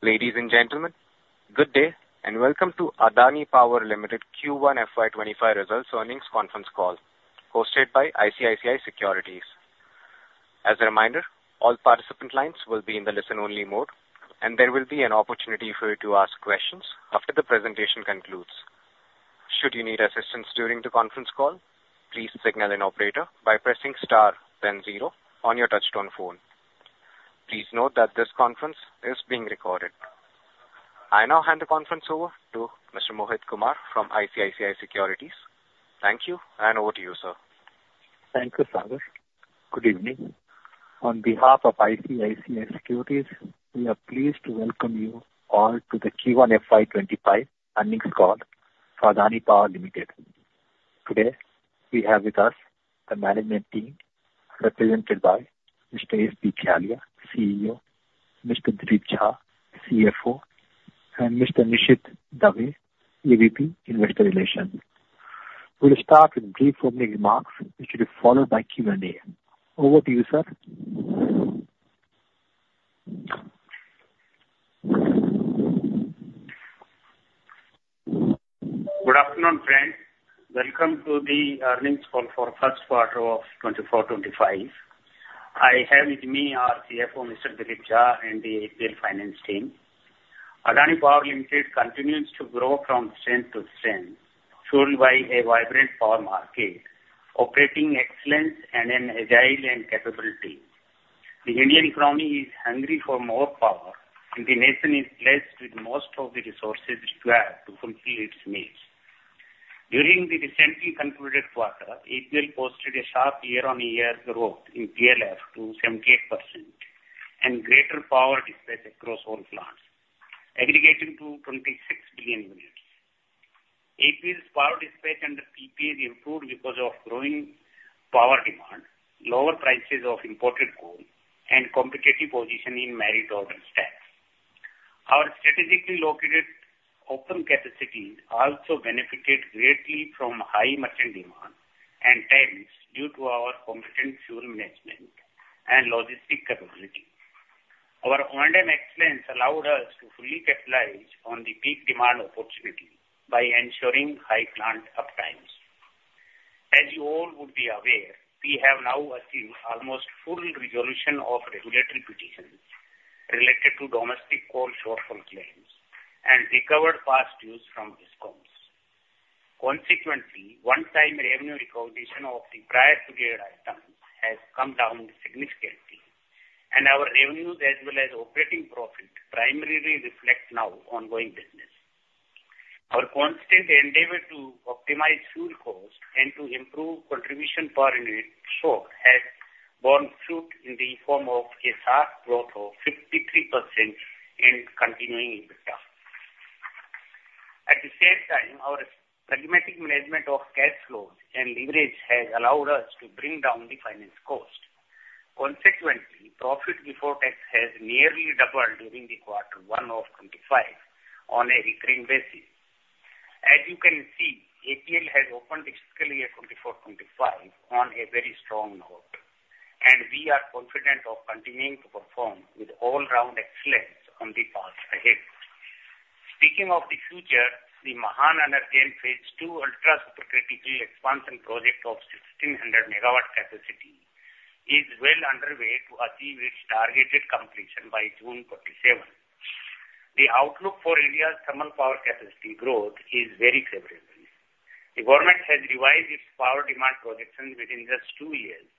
Ladies and gentlemen, good day, and welcome to Adani Power Limited Q1 FY25 results earnings conference call, hosted by ICICI Securities. As a reminder, all participant lines will be in the listen-only mode, and there will be an opportunity for you to ask questions after the presentation concludes. Should you need assistance during the conference call, please signal an operator by pressing star then zero on your touchtone phone. Please note that this conference is being recorded. I now hand the conference over to Mr. Mohit Kumar from ICICI Securities. Thank you, and over to you, sir. Thank you, Sagar. Good evening. On behalf of ICICI Securities, we are pleased to welcome you all to the Q1 FY25 earnings call for Adani Power Limited. Today, we have with us the management team, represented by Mr. S.B. Khyalia, CEO; Mr. Dilip Jha, CFO; and Mr. Nishit Dave, AVP, Investor Relations. We'll start with brief opening remarks, which will be followed by Q&A. Over to you, sir. Good afternoon, friends. Welcome to the earnings call for first quarter of 2024-25. I have with me our CFO, Mr. Dilip Jha, and the APL finance team. Adani Power Limited continues to grow from strength to strength, fueled by a vibrant power market, operating excellence, and an agile and capable team. The Indian economy is hungry for more power, and the nation is blessed with most of the resources required to fulfill its needs. During the recently concluded quarter, APL posted a sharp year-on-year growth in PLF to 78% and greater power dispatch across all plants, aggregating to 26 billion units. APL's power dispatch under PPAs improved because of growing power demand, lower prices of imported coal, and competitive position in merit order stacks. Our strategically located open capacity also benefited greatly from high merchant demand and tariffs due to our competent fuel management and logistic capability. Our O&M excellence allowed us to fully capitalize on the peak demand opportunity by ensuring high plant uptimes. As you all would be aware, we have now achieved almost full resolution of regulatory petitions related to domestic coal shortfall claims and recovered past dues from DISCOMs. Consequently, one-time revenue recognition of the prior period item has come down significantly, and our revenues as well as operating profit primarily reflect now ongoing business. Our constant endeavor to optimize fuel cost and to improve contribution per unit so has borne fruit in the form of a sharp growth of 53% in continuing EBITDA. At the same time, our pragmatic management of cash flows and leverage has allowed us to bring down the finance cost. Consequently, profit before tax has nearly doubled during quarter 1 of 2025 on a recurring basis. As you can see, APL has opened fiscal year 2024-25 on a very strong note, and we are confident of continuing to perform with all-round excellence on the path ahead. Speaking of the future, the Mahan Energen Phase 2 ultra-supercritical expansion project of 1,600 MW capacity is well underway to achieve its targeted completion by June 2047. The outlook for India's thermal power capacity growth is very favorable. The government has revised its power demand projection within just two years.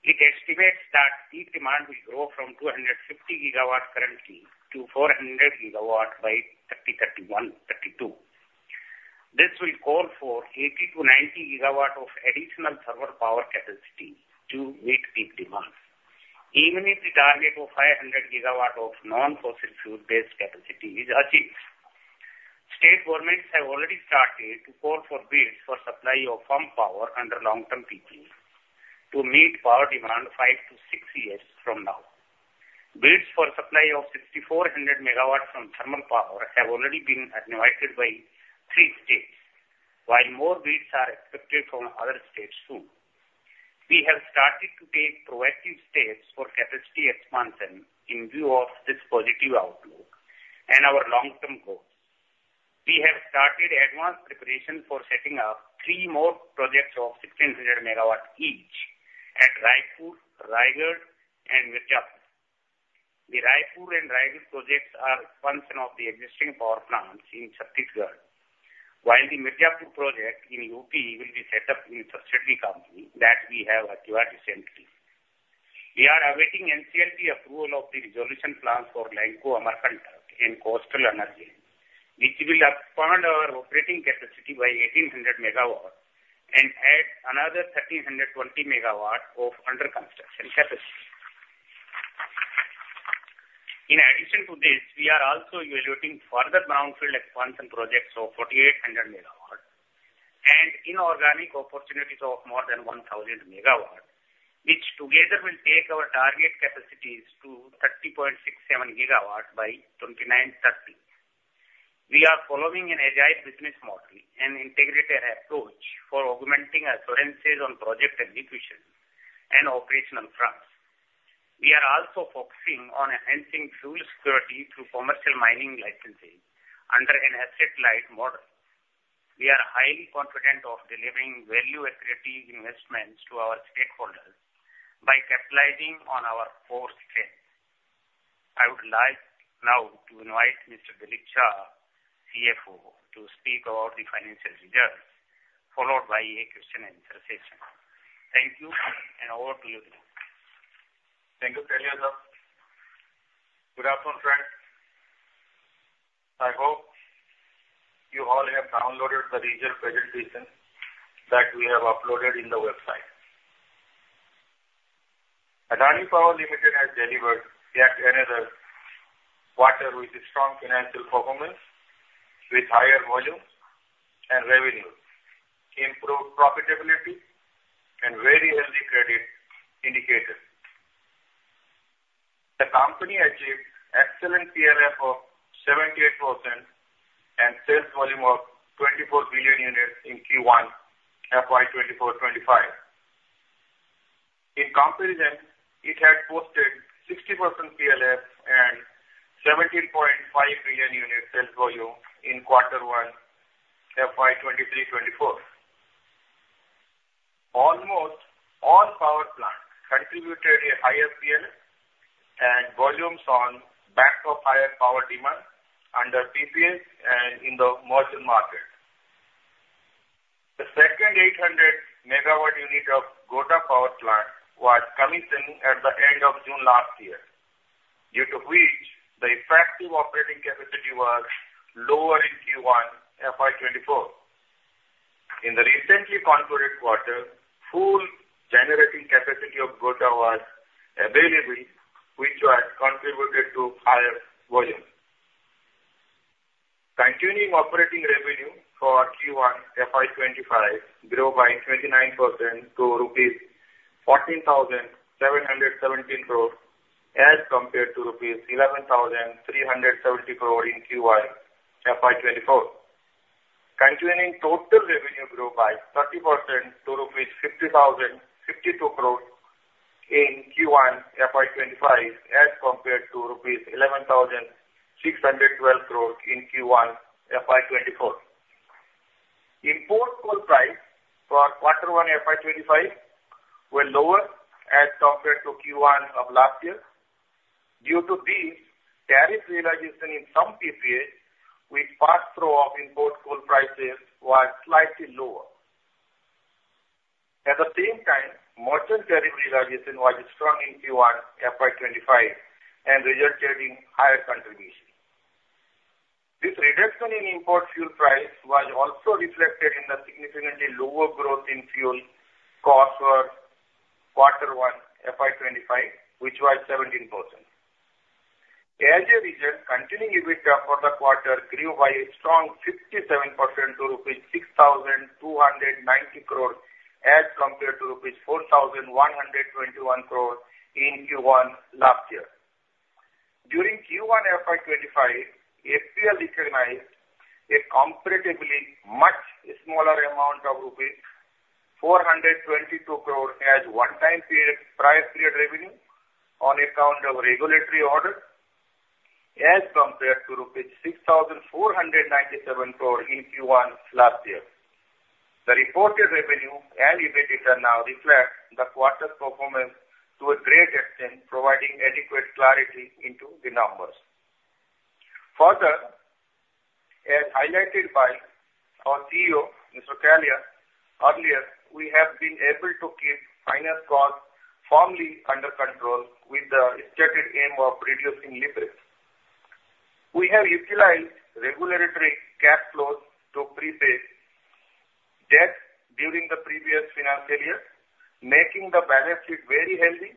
It estimates that peak demand will grow from 250 GW currently to 400 GW by 2031-32. This will call for 80-90 GW of additional thermal power capacity to meet peak demand, even if the target of 500 GW of non-fossil fuel-based capacity is achieved. State governments have already started to call for bids for supply of firm power under long-term PPAs to meet power demand 5-6 years from now. Bids for supply of 6,400 MW from thermal power have already been invited by 3 states, while more bids are expected from other states soon. We have started to take proactive steps for capacity expansion in view of this positive outlook and our long-term goals. We have started advanced preparation for setting up 3 more projects of 1,600 MW each at Raipur, Raigarh, and Mirzapur. The Raipur and Raigarh projects are expansion of the existing power plants in Chhattisgarh, while the Mirzapur project in UP will be set up in a subsidiary company that we have acquired recently. We are awaiting NCLT approval of the resolution plan for Lanco Amarkantak and Coastal Energen, which will expand our operating capacity by 1,800 MW and add another 1,320 MW of under construction capacity. In addition to this, we are also evaluating further brownfield expansion projects of 4,800 MW and inorganic opportunities of more than 1,000 MW, which together will take our target capacities to 30.67 GW by 2029-30.... We are following an agile business model and integrated approach for augmenting assurances on project execution and operational fronts. We are also focusing on enhancing fuel security through commercial mining licenses under an asset-light model. We are highly confident of delivering value-accretive investments to our stakeholders by capitalizing on our core strength. I would like now to invite Mr. Dilip Jha, CFO, to speak about the financial results, followed by a question and answer session. Thank you, and over to you, Dilip. Thank you, Khyalia, sir. Good afternoon, friends. I hope you all have downloaded the recent presentation that we have uploaded in the website. Adani Power Limited has delivered yet another quarter with a strong financial performance, with higher volumes and revenue, improved profitability, and very healthy credit indicators. The company achieved excellent PLF of 78% and sales volume of 24 billion units in Q1 FY 2024-25. In comparison, it had posted 60% PLF and 17.5 billion units sales volume in quarter one, FY 2023-24. Almost all power plants contributed a higher PL and volumes on back of higher power demand under PPAs and in the merchant market. The second 800-megawatt unit of Godda Power Plant was commissioned at the end of June last year, due to which the effective operating capacity was lower in Q1 FY 2024. In the recently concluded quarter, full generating capacity of Godda was available, which has contributed to higher volume. Continuing operating revenue for Q1 FY25 grew by 29% to rupees 14,717 crore, as compared to rupees 11,370 crore in Q1 FY24. Continuing total revenue grew by 30% to rupees 50,052 crore in Q1 FY25, as compared to rupees 11,612 crore in Q1 FY24. Import coal prices for Q1 FY25 were lower as compared to Q1 of last year. Due to this, tariff realization in some PPAs with pass-through of import coal prices was slightly lower. At the same time, merchant tariff realization was strong in Q1 FY25, and resulted in higher contribution. This reduction in import fuel price was also reflected in the significantly lower growth in fuel costs for Q1 FY 25, which was 17%. As a result, continuing EBITDA for the quarter grew by a strong 57% to rupees 6,290 crore, as compared to rupees 4,121 crore in Q1 last year. During Q1 FY 25, FPL recognized a comparatively much smaller amount of rupees 422 crore as one-time period, price period revenue on account of regulatory order, as compared to rupees 6,497 crore in Q1 last year. The reported revenue and EBITDA now reflect the quarter's performance to a great extent, providing adequate clarity into the numbers. Further, as highlighted by our CEO, Mr. Kailash, earlier, we have been able to keep finance costs firmly under control with the stated aim of reducing leverage. We have utilized regulatory cash flows to prepay debt during the previous financial year, making the balance sheet very healthy,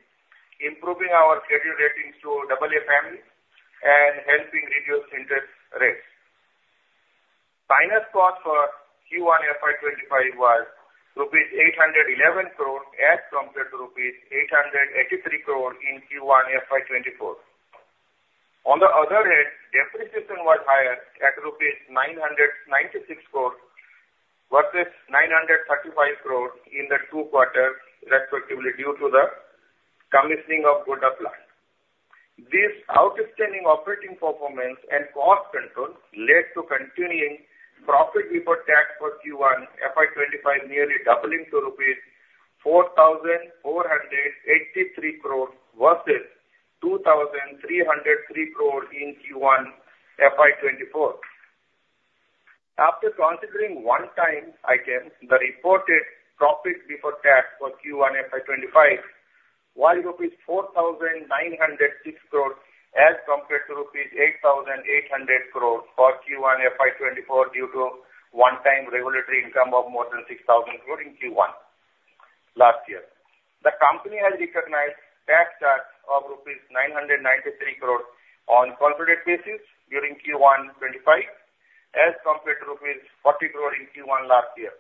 improving our credit ratings to AA family, and helping reduce interest rates. Finance cost for Q1 FY 2025 was rupees 811 crores as compared to rupees 883 crores in Q1 FY 2024. On the other hand, depreciation was higher at rupees 996 crores versus 935 crores in the two quarters, respectively, due to the commissioning of Godda plant. This outstanding operating performance and cost control led to continuing profit before tax for Q1 FY 2025, nearly doubling to rupees 4,483 crores versus 2,303 crores in Q1 FY 2024. After considering one-time items, the reported profit before tax for Q1 FY 2025 was 4,906 crore, as compared to 8,800 crore rupees for Q1 FY 2024, due to one-time regulatory income of more than 6,000 crore in Q1 last year. The company has recognized tax charge of rupees 993 crore on consolidated basis during Q1 2025, as compared to rupees 40 crore in Q1 last year....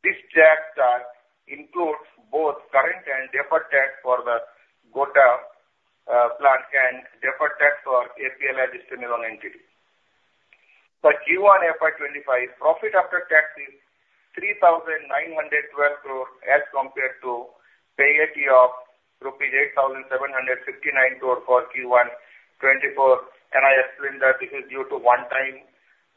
This tax includes both current and deferred tax for the Godda plant and deferred tax for APL as a standalone entity. For Q1 FY25, profit after tax is 3,912 crore, as compared to PAT of rupees 8,759 crore for Q1 2024, and I explained that this is due to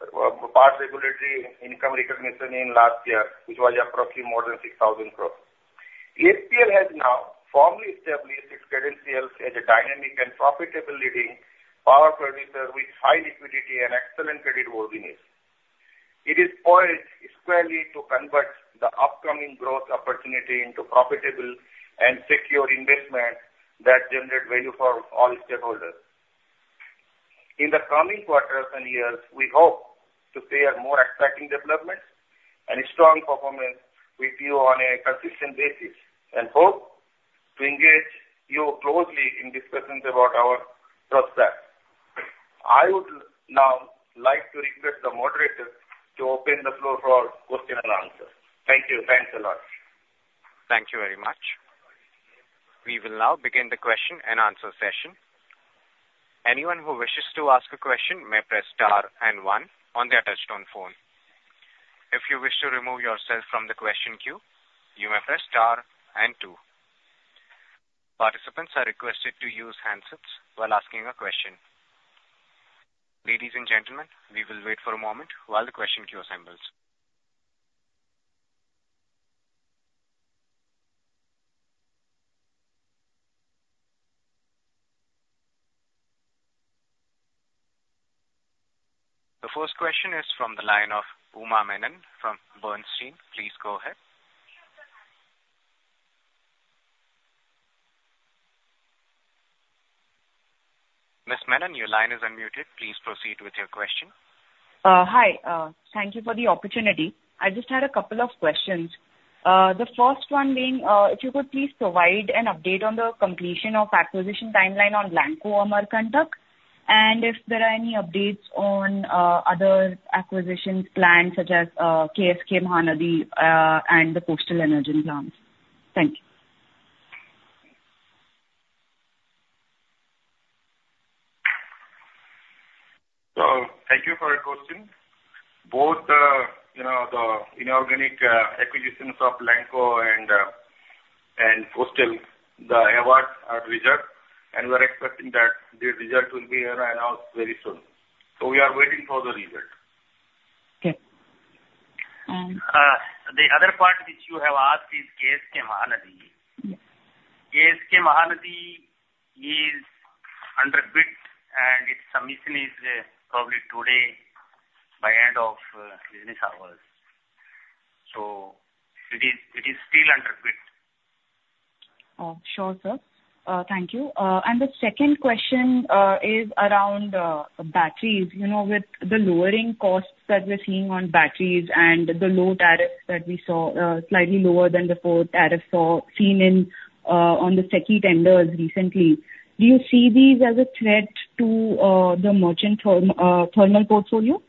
one-time past regulatory income recognition in last year, which was approximately more than 6,000 crore. APL has now formally established its credentials as a dynamic and profitable leading power producer with high liquidity and excellent creditworthiness. It is poised squarely to convert the upcoming growth opportunity into profitable and secure investment that generate value for all stakeholders. In the coming quarters and years, we hope to see a more exciting development and a strong performance with you on a consistent basis, and hope to engage you closely in discussions about our prospects. I would now like to request the moderator to open the floor for question and answer. Thank you. Thanks a lot. Thank you very much. We will now begin the question and answer session. Anyone who wishes to ask a question may press star and one on their touchtone phone. If you wish to remove yourself from the question queue, you may press star and two. Participants are requested to use handsets while asking a question. Ladies and gentlemen, we will wait for a moment while the question queue assembles. The first question is from the line of Uma Menon from Bernstein. Please go ahead. Ms. Menon, your line is unmuted. Please proceed with your question. Hi. Thank you for the opportunity. I just had a couple of questions. The first one being, if you could please provide an update on the completion of acquisition timeline on Lanco Amarkantak, and if there are any updates on other acquisitions plans such as KSK Mahanadi and the Coastal Energy plans. Thank you. So thank you for your question. Both, you know, the inorganic acquisitions of Lanco and, and Coastal, the awards are reserved, and we're expecting that the result will be announced very soon. So we are waiting for the result. Okay. Um- The other part which you have asked is KSK Mahanadi. Yes. KSK Mahanadi is under bid, and its submission is, probably today, by end of, business hours. So it is, it is still under bid. Oh, sure, sir. Thank you. And the second question is around batteries. You know, with the lowering costs that we're seeing on batteries and the low tariffs that we saw, slightly lower than before tariffs saw, seen in, on the SECI tenders recently, do you see these as a threat to the merchant thermal portfolio?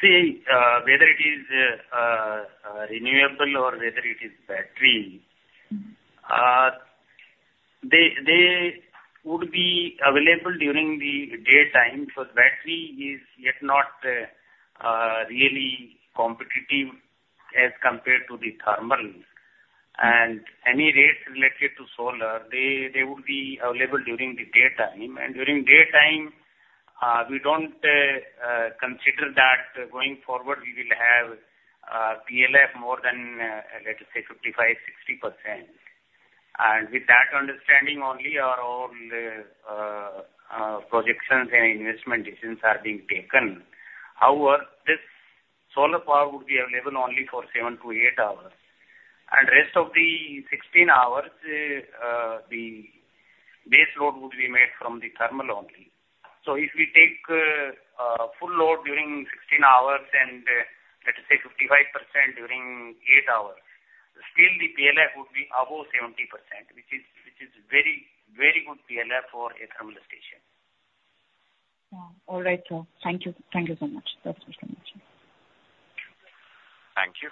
See, whether it is renewable or whether it is battery, they would be available during the daytime, so the battery is yet not really competitive as compared to the thermal. And any rates related to solar, they would be available during the daytime, and during daytime, we don't consider that going forward we will have PLF more than, let's say 55-60%. And with that understanding only are all projections and investment decisions are being taken. However, this solar power would be available only for 7-8 hours, and rest of the 16 hours, the base load would be made from the thermal only. So if we take full load during 16 hours and, let's say, 55% during 8 hours, still the PLF would be above 70%, which is very, very good PLF for a thermal station. Yeah. All right, sir. Thank you. Thank you so much. Thanks so much. Thank you.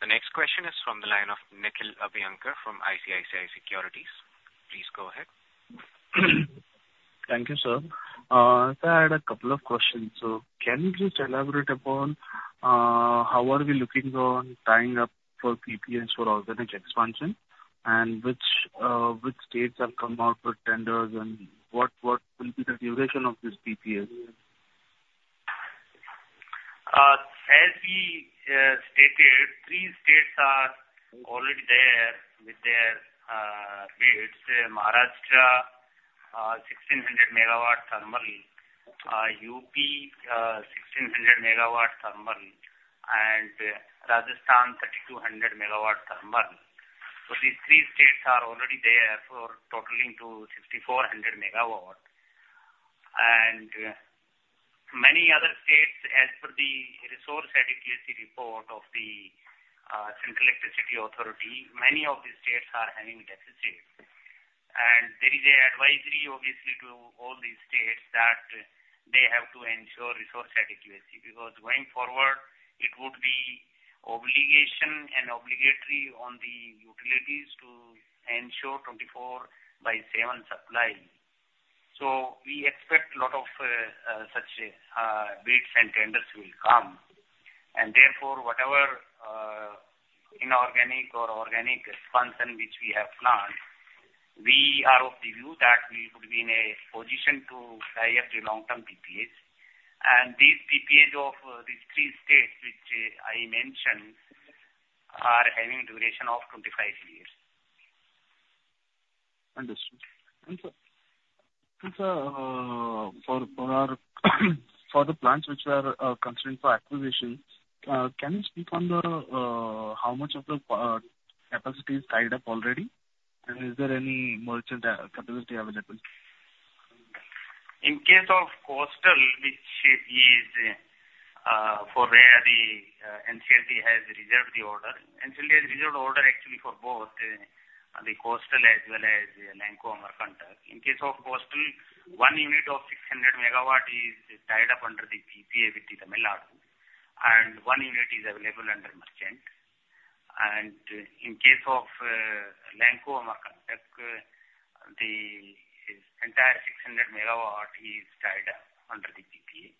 The next question is from the line of Nikhil Abhyankar from ICICI Securities. Please go ahead. Thank you, sir. Sir, I had a couple of questions. So can you please elaborate upon how are we looking on tying up for PPAs for organic expansion? And which states have come out with tenders, and what will be the duration of this PPA? As we stated, three states are already there with their bids. Maharashtra, 1,600 MW thermal, UP, 1,600 MW thermal, and Rajasthan, 3,200 MW thermal. So these three states are already there for totaling to 6,400 MW. And many other states, as per the resource adequacy report of the Central Electricity Authority, many of the states are having deficit. And there is an advisory, obviously, to all the states that they have to ensure resource adequacy, because going forward, it would be obligation and obligatory on the utilities to ensure 24x7 supply. So we expect a lot of such bids and tenders will come. And therefore, whatever inorganic or organic expansion which we have planned, we are of the view that we could be in a position to tie up the long-term PPAs. These PPA of these three states, which I mentioned, are having a duration of 25 years. Understood. For the plants which we are considering for acquisition, can you speak on how much of the capacity is tied up already, and is there any merchant capacity available? In case of Coastal, which is for where the NCLT has reserved the order. NCLT has reserved order actually for both the Coastal as well as the Lanco Amarkantak. In case of Coastal, one unit of 600 MW is tied up under the PPA with the Tamil Nadu, and one unit is available under merchant. In case of Lanco Amarkantak, the entire 600 MW is tied up under the PPA,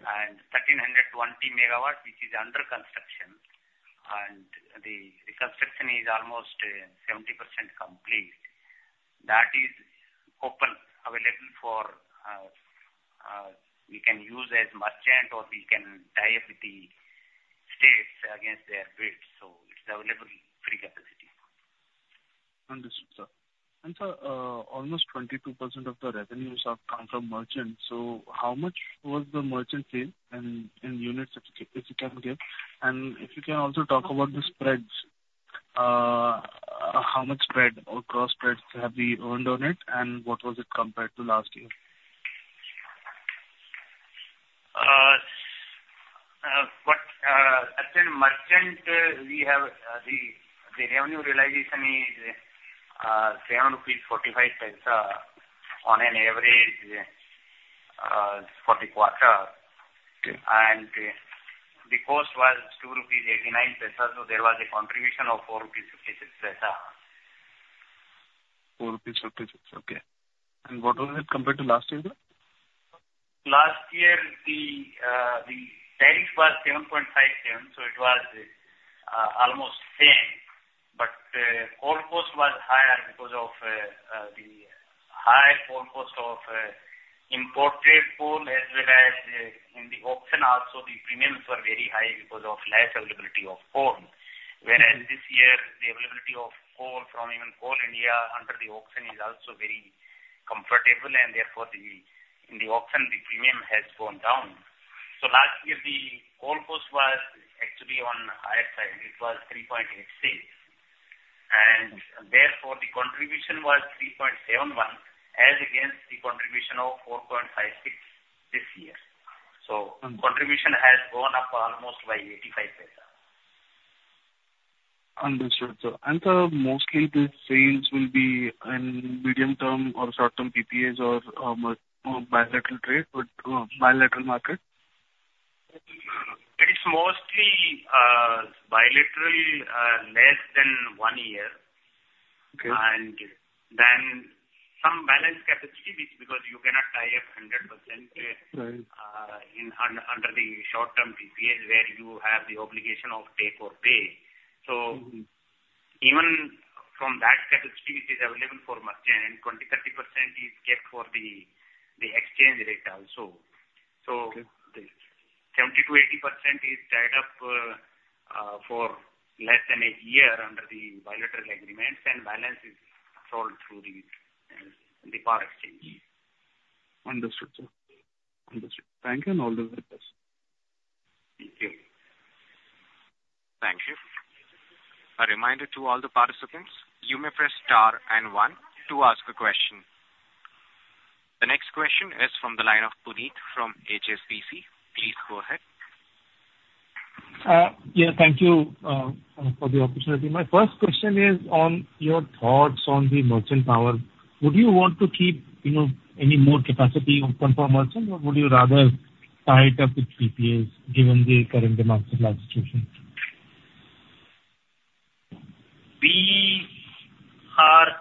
and 1,320 MW, which is under construction, and the construction is almost 70% complete. That is open, available for we can use as merchant or we can tie up with the states against their bids. So it's available free capacity. Understood, sir. And sir, almost 22% of the revenues are come from merchant, so how much was the merchant sale in units, if you can give? And if you can also talk about the spreads. How much spread or cross spreads have we earned on it, and what was it compared to last year? As in merchant, we have the revenue realization is rupees 7.45 on an average for the quarter. Okay. The cost was 2.89 rupees, so there was a contribution of 4.56 rupees. 4.56 rupees. Okay. And what was it compared to last year, sir? Last year, the tariff was 7.57, so it was almost same. But coal cost was higher because of the high coal cost of imported coal, as well as in the auction also, the premiums were very high because of less availability of coal. Whereas this year, the availability of coal from even Coal India under the auction is also very comfortable, and therefore, in the auction, the premium has gone down. So last year, the coal cost was actually on higher side. It was 3.86, and therefore, the contribution was 3.71, as against the contribution of 4.56 this year. Mm. Contribution has gone up almost by 0.85. Understood, sir. And sir, mostly the sales will be in medium-term or short-term PPAs or bilateral trade, but bilateral market? It is mostly bilateral, less than one year. Okay. And then some balance capacity, which because you cannot tie up 100%- Right. Under the short-term PPAs, where you have the obligation of take or pay. Mm-hmm. So even from that capacity, which is available for merchant, and 20-30% is kept for the exchange rate also. Okay. 70%-80% is tied up for less than a year under the bilateral agreements, and balance is sold through the power exchange. Understood, sir. Understood. Thank you, and all the best. Thank you. Thank you. A reminder to all the participants, you may press star and one to ask a question. The next question is from the line of Puneet from HSBC. Please go ahead. Yeah, thank you for the opportunity. My first question is on your thoughts on the merchant power. Would you want to keep, you know, any more capacity open for merchant, or would you rather tie it up with PPAs, given the current demand supply situation? We are,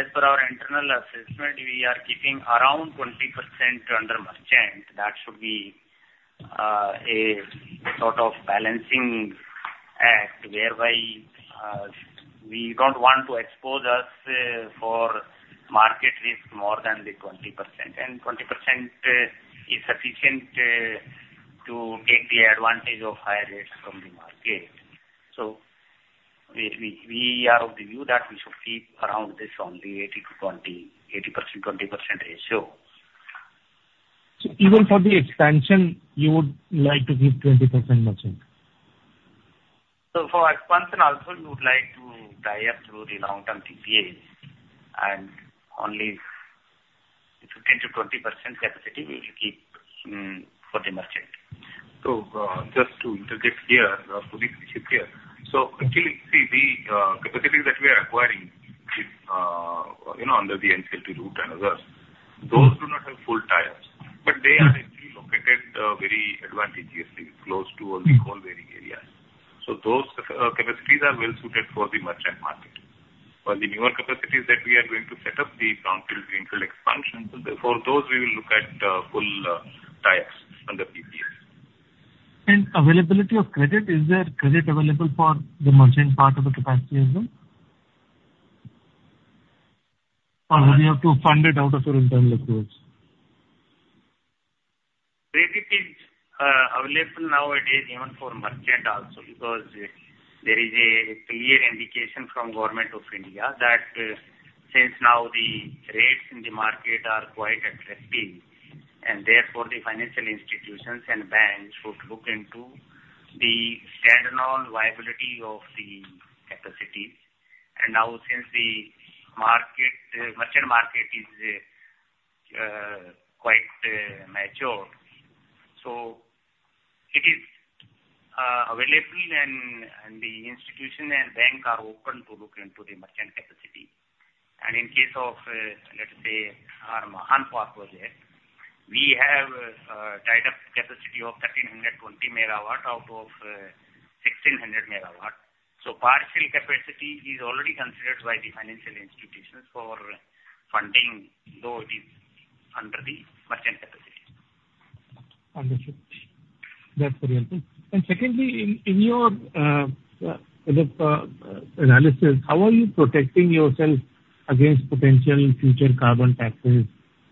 as per our internal assessment, we are keeping around 20% under merchant. That should be, a sort of balancing act, whereby, we don't want to expose us, for market risk more than the 20%. And 20%, is sufficient, to take the advantage of higher rates from the market. So we are of the view that we should keep around this only 80-20, 80%, 20% ratio. Even for the expansion, you would like to keep 20% merchant? So for expansion also, we would like to tie up through the long-term PPAs, and 20% capacity we will keep for the merchant. So, just to interject here, Puneet, here. So actually, the capacities that we are acquiring, you know, under the NCLT route and others, those do not have full tires. But they are actually located very advantageously close to all the coal mining areas. So those capacities are well suited for the merchant market. While the newer capacities that we are going to set up, the brownfield, greenfield expansion, so therefore those we will look at full tires under PPAs. Availability of credit, is there credit available for the merchant part of the capacity as well? Or would you have to fund it out of your internal accruals? Credit is available nowadays even for merchant also, because there is a clear indication from Government of India that, since now the rates in the market are quite attractive, and therefore the financial institutions and banks should look into the standalone viability of the capacity. Now, since the market, merchant market is quite mature, so it is available and the institution and bank are open to look into the merchant capacity. In case of, let's say, our Mahan project, we have tied up capacity of 1,320 MW out of 1,600 MW. Partial capacity is already considered by the financial institutions for funding, though it is under the merchant capacity. Understood. That's very helpful. And secondly, in your analysis, how are you protecting yourself against potential future carbon taxes?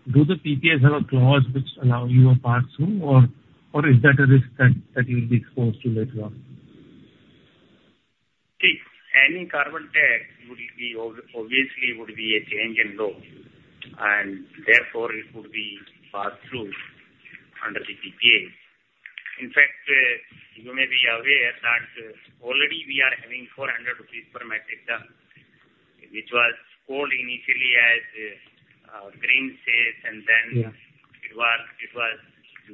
Do the PPAs have a clause which allow you a pass-through, or is that a risk that you'll be exposed to later on? See, any carbon tax would be obviously would be a change in law, and therefore it would be passed through under the PPA. In fact, you may be aware that, already we are having 400 rupees per metric ton, which was called initially as, green cess, and then- Yeah... it was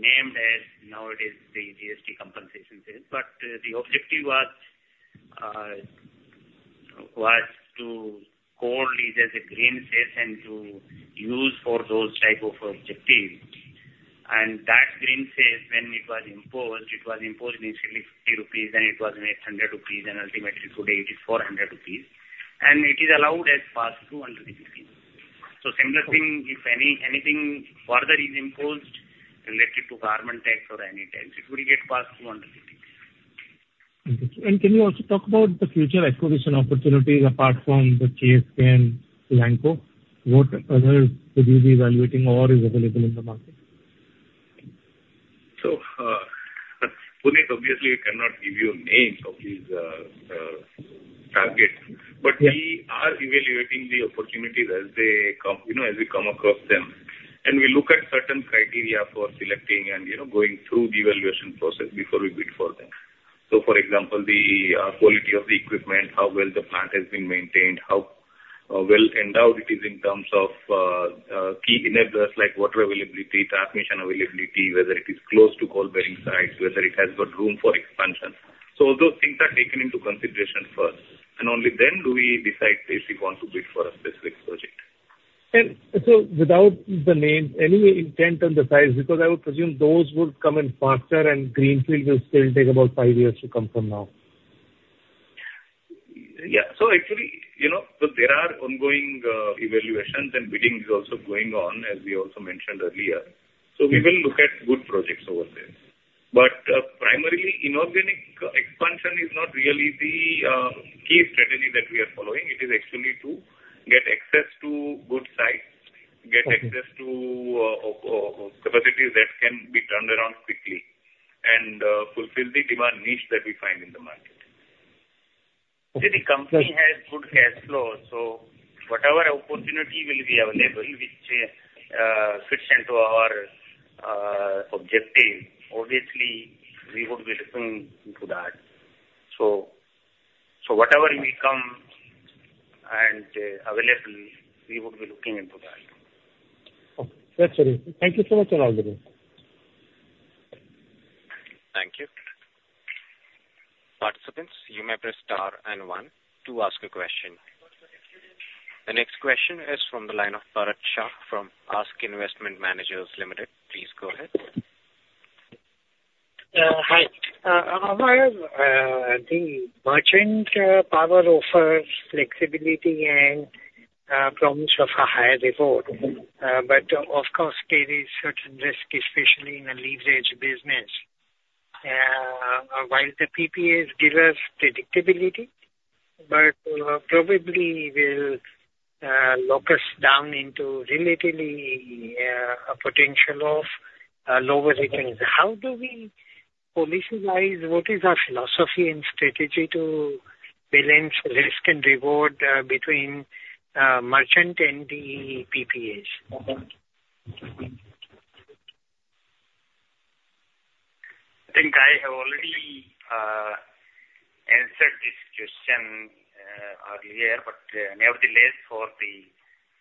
named as nowadays the GST compensation cess. But, the objective was to call it as a green cess and to use for those type of objectives. And that green cess, when it was imposed, it was imposed initially 50 rupees, then it was 800 rupees, and ultimately today it is 400 rupees. And it is allowed as pass-through under the PPA. So similar thing, if anything further is imposed related to carbon tax or any tax, it would get passed through under PPA. Understood. Can you also talk about the future acquisition opportunities apart from the KSK and Lanco? What other could you be evaluating or is available in the market? So, Puneet, obviously, I cannot give you names of these targets. Yeah. But we are evaluating the opportunities as they come, you know, as we come across them. And we look at certain criteria for selecting and, you know, going through the evaluation process before we bid for them. So, for example, the quality of the equipment, how well the plant has been maintained, how well endowed it is in terms of key enablers like water availability, transmission availability, whether it is close to coal mining sites, whether it has got room for expansion. So those things are taken into consideration first, and only then do we decide if we want to bid for a specific project. Without the mines, any impact on the price, because I would presume those would come in faster and greenfield will still take about five years to come from now. Yeah. So actually, you know, so there are ongoing evaluations and bidding is also going on, as we also mentioned earlier. So we will look at good projects over there. But primarily, inorganic expansion is not really the key strategy that we are following. It is actually to get access to good sites- Okay. get access to capacities that can be turned around quickly and fulfill the demand niche that we find in the market. See, the company has good cash flow, so whatever opportunity will be available which, fits into our, objective, obviously we would be looking into that. So, so whatever we come and available, we would be looking into that. Okay. That's all. Thank you so much and all the best. Thank you. Participants, you may press Star and one to ask a question. The next question is from the line of Bharat Shah from ASK Investment Managers Limited. Please go ahead. Hi. The merchant power offers flexibility and promise of a higher reward. But of course, there is certain risk, especially in a leverage business. While the PPAs give us predictability, but probably will lock us down into relatively a potential of lower returns. How do we prioritize? What is our philosophy and strategy to balance risk and reward between merchant and the PPAs?... I think I have already answered this question earlier, but nevertheless, for the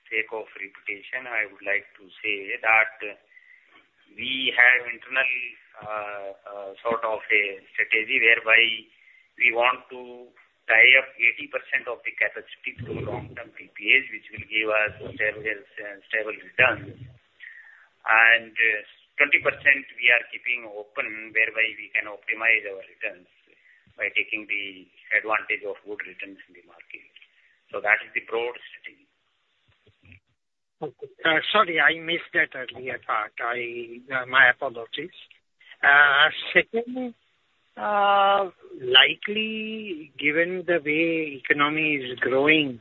sake of repetition, I would like to say that we have internally sort of a strategy whereby we want to tie up 80% of the capacity through long-term PPAs, which will give us stable stable returns. And 20% we are keeping open, whereby we can optimize our returns by taking the advantage of good returns in the market. So that is the broad strategy. Okay. Sorry, I missed that earlier part. I, my apologies. Second, likely, given the way economy is growing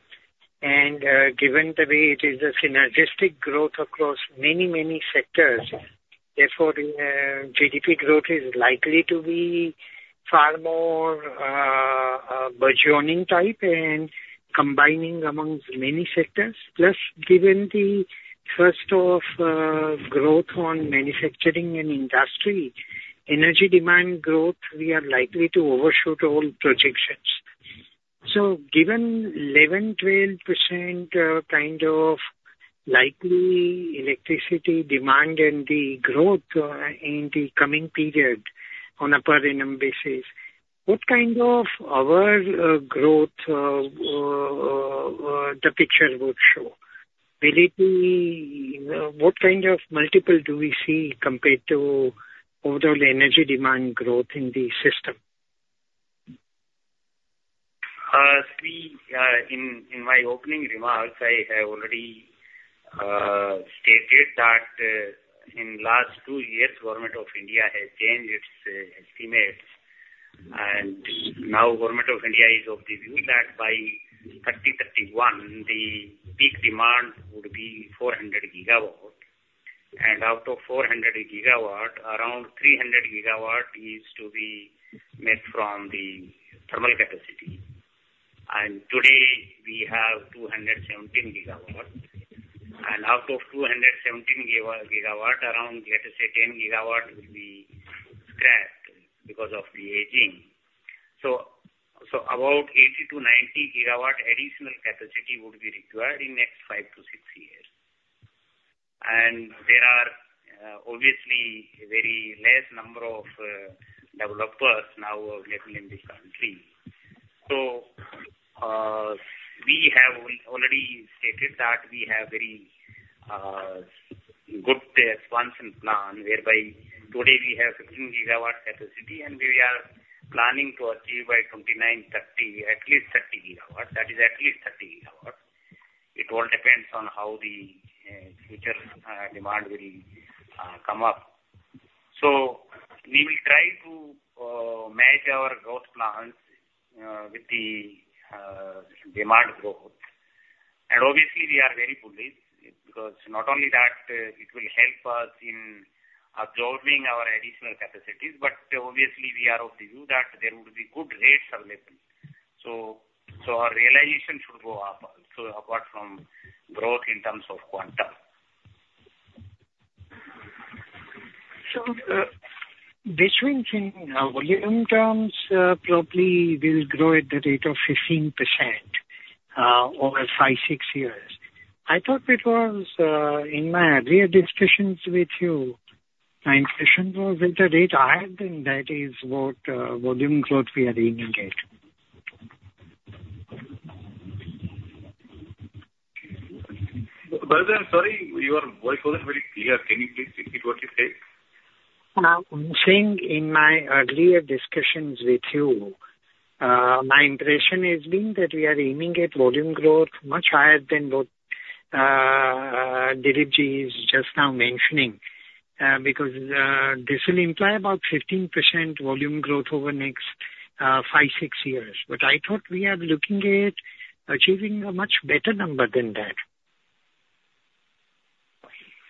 and given the way it is a synergistic growth across many, many sectors, therefore, GDP growth is likely to be far more burgeoning type and combining amongst many sectors. Plus, given the first of growth on manufacturing and industry, energy demand growth, we are likely to overshoot all projections. So given 11%-12% kind of likely electricity demand and the growth in the coming period on a per annum basis, what kind of our growth the picture would show? Will it be what kind of multiple do we see compared to overall energy demand growth in the system? In my opening remarks, I have already stated that in last 2 years, Government of India has changed its estimates. Now Government of India is of the view that by 2031, the peak demand would be 400 GW. Out of 400 GW, around 300 GW is to be met from the thermal capacity. Today, we have 217 GW. Out of 217 GW, around, let us say 10 GW will be scrapped because of the aging. So about 80-90 GW additional capacity would be required in next 5-6 years. There are obviously very less number of developers now available in this country. So, we have already stated that we have very good expansion plan, whereby today we have 15 gigawatt capacity, and we are planning to achieve by 2029, 2030, at least 30 gigawatt. That is at least 30 gigawatt. It all depends on how the future demand will come up. So we will try to match our growth plans with the demand growth. And obviously, we are very bullish, because not only that, it will help us in absorbing our additional capacities, but obviously we are of the view that there would be good rates available. So, so our realization should go up, so apart from growth in terms of quantum. So, between in, volume terms, probably we'll grow at the rate of 15%, over 5, 6 years. I thought it was, in my earlier discussions with you, my impression was at the rate, I think that is what, volume growth we are aiming at. Brother, sorry, your voice was not very clear. Can you please repeat what you said? I'm saying in my earlier discussions with you, my impression has been that we are aiming at volume growth much higher than what, Dilipji is just now mentioning. Because, this will imply about 15% volume growth over the next, five, six years. But I thought we are looking at achieving a much better number than that.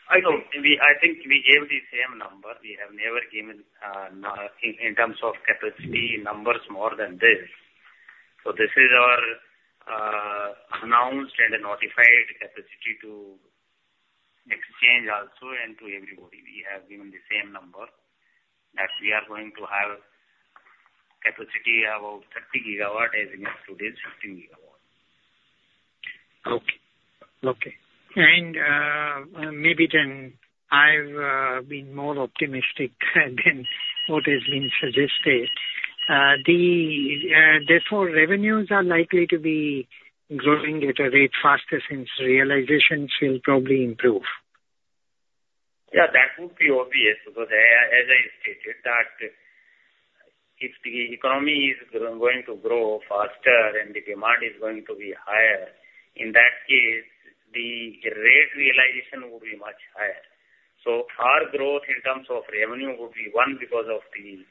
I know. We, I think we gave the same number. We have never given in terms of capacity, numbers more than this. So this is our announced and notified capacity to exchange also and to everybody. We have given the same number, that we are going to have capacity about 30 gigawatt, as against today's 15 gigawatt. Okay. Okay. And maybe then I've been more optimistic than what has been suggested. Therefore, revenues are likely to be growing at a rate faster since realizations will probably improve. Yeah, that would be obvious, because as I stated that if the economy is going to grow faster and the demand is going to be higher, in that case, the rate realization will be much higher. So our growth in terms of revenue will be, one, because of the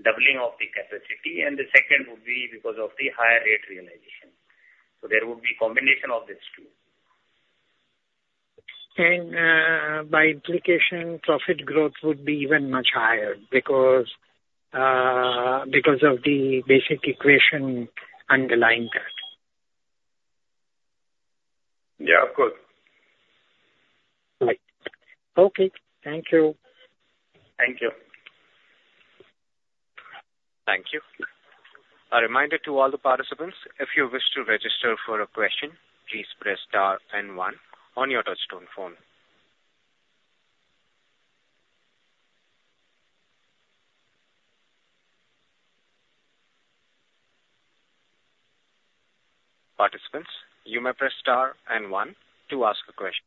doubling of the capacity, and the second would be because of the higher rate realization. So there would be combination of these two. By implication, profit growth would be even much higher because of the basic equation underlying that.... Yeah, of course. Right. Okay, thank you. Thank you. Thank you. A reminder to all the participants, if you wish to register for a question, please press star and one on your touchtone phone. Participants, you may press star and one to ask a question.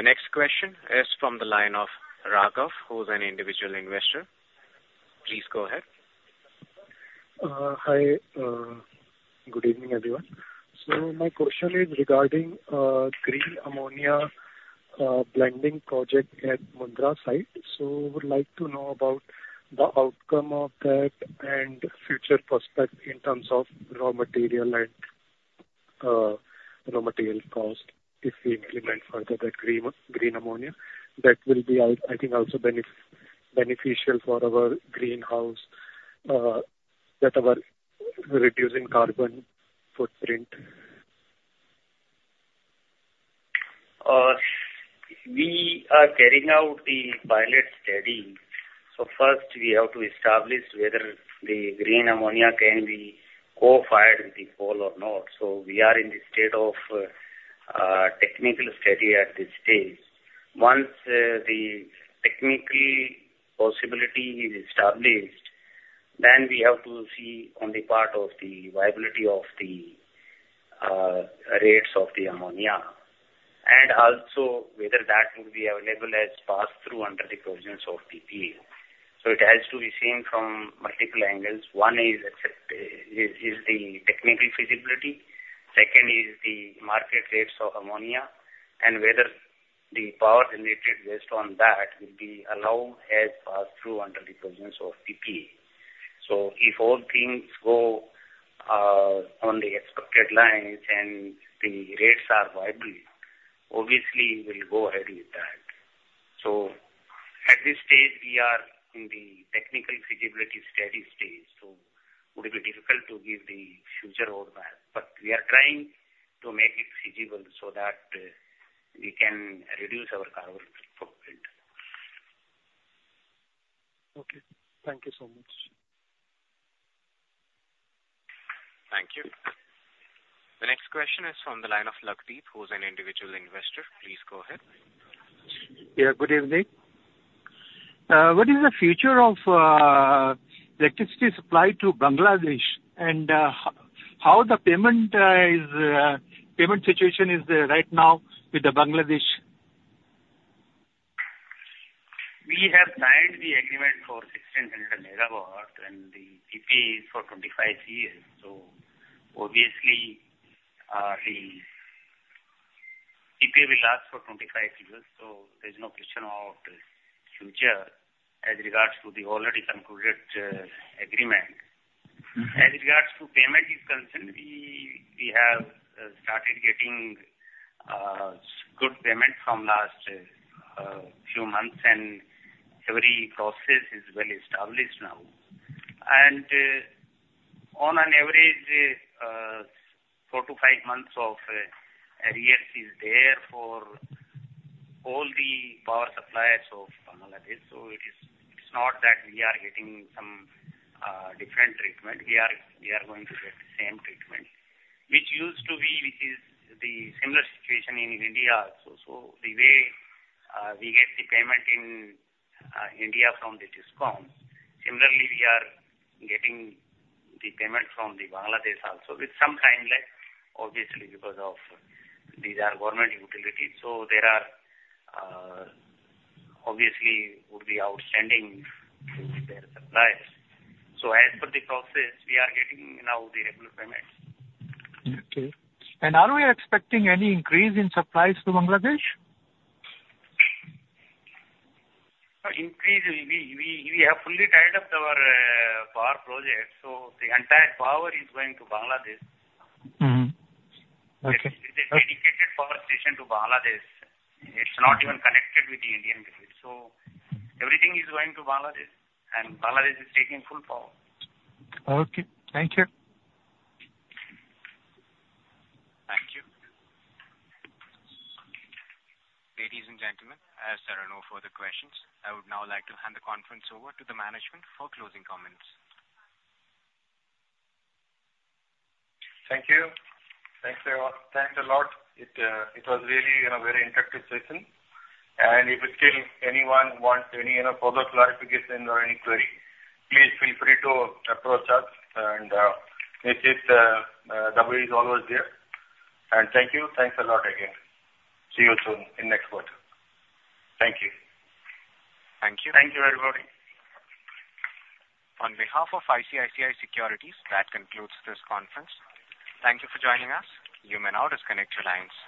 The next question is from the line of Raghav, who's an individual investor. Please go ahead. Hi, good evening, everyone. So my question is regarding green ammonia blending project at Mundra site. So would like to know about the outcome of that and future prospects in terms of raw material and raw material cost. If we implement further the green, green ammonia, that will be, I think also beneficial for our greenhouse, that our reducing carbon footprint. We are carrying out the pilot study. So first we have to establish whether the green ammonia can be co-fired with the coal or not. So we are in the state of, technical study at this stage. Once, the technically possibility is established, then we have to see on the part of the viability of the, rates of the ammonia, and also whether that will be available as pass through under the provisions of PPA. So it has to be seen from multiple angles. One is the technical feasibility, second is the market rates of ammonia, and whether the power generated based on that will be allowed as pass through under the provisions of PPA. So if all things go, on the expected lines and the rates are viable, obviously we'll go ahead with that. At this stage, we are in the technical feasibility study stage, so it would be difficult to give the future roadmap. We are trying to make it feasible so that we can reduce our carbon footprint. Okay. Thank you so much. Thank you. The next question is from the line of Lakdeep, who's an individual investor. Please go ahead. Yeah, good evening. What is the future of electricity supply to Bangladesh, and how the payment situation is right now with the Bangladesh? We have signed the agreement for 1,600 MW and the PPA is for 25 years. So obviously, the PPA will last for 25 years, so there's no question about future as regards to the already concluded agreement. Mm-hmm. As regards to payment is concerned, we have started getting good payment from last few months, and every process is well established now. On an average, 4-5 months of arrears is there for all the power suppliers of Bangladesh. So it is. It's not that we are getting some different treatment. We are going to get the same treatment, which used to be, which is the similar situation in India also. So the way we get the payment in India from the DISCOMs, similarly we are getting the payment from the Bangladesh also. With some timeline, obviously, because of these are government utilities, so there are obviously would be outstanding to their suppliers. So as per the process, we are getting now the regular payments. Okay. Are we expecting any increase in supplies to Bangladesh? Increase, we have fully tied up our power project, so the entire power is going to Bangladesh. Mm-hmm. Okay. It's a dedicated power station to Bangladesh. It's not even connected with the Indian grid. So everything is going to Bangladesh, and Bangladesh is taking full power. Okay. Thank you. Thank you. Ladies and gentlemen, as there are no further questions, I would now like to hand the conference over to the management for closing comments. Thank you. Thanks, everyone. Thanks a lot. It was really, you know, very interactive session. And if still anyone wants any, you know, further clarifications or any query, please feel free to approach us and visit website is always there. And thank you. Thanks a lot again. See you soon in next quarter. Thank you. Thank you. Thank you, everybody. On behalf of ICICI Securities, that concludes this conference. Thank you for joining us. You may now disconnect your lines.